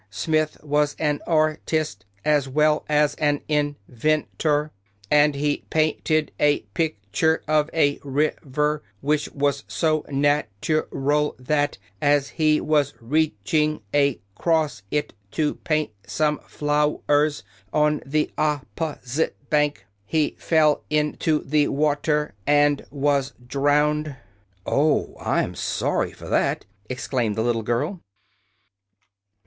Smith was an art ist, as well as an in vent or, and he paint ed a pic ture of a riv er which was so nat ur al that, as he was reach ing a cross it to paint some flow ers on the op po site bank, he fell in to the wa ter and was drowned." "Oh, I'm sorry for that!" exclaimed the little girl.